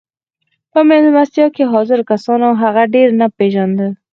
په مېلمستيا کې حاضرو کسانو هغه ډېر نه پېژانده.